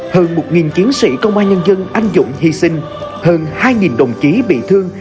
hơn một chiến sĩ công an nhân dân anh dũng hy sinh hơn hai đồng chí bị thương